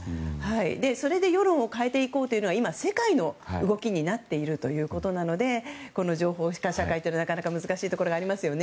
それで世論を変えていこうというのは今、世界の動きになっているということなのでこの情報化社会というのはなかなか難しいところがありますよね。